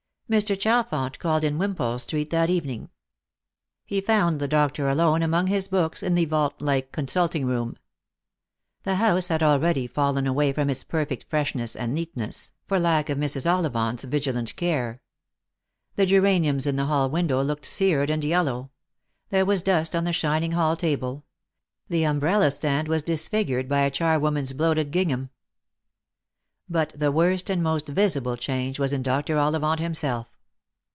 Mr. Chalfont called in Wimpole street that evening. He found the doctor alone among his books in the vault like con sulting room. The house had already fallen away from its perfect freshness and neatness, for lack of Mrs. Ollivant's vigi Lost for Love. 299 lant care. The geraniums in the hall window looked seared and yellow ; there was dust on the shining hall table ; the umbrella stand was disfigured by a charwoman's bloated gingham. But the worst and most visible change was in Dr. Ollivant himself.